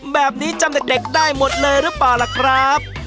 แบบนี้จำเด็กได้หมดเลยหรือเปล่าล่ะครับ